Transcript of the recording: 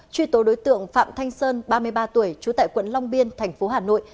truy tố đối tượng phạm thanh sơn ba mươi ba tuổi trú tại quận long biên thành phố hà nội